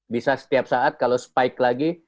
bisa setiap saat kalau spike lagi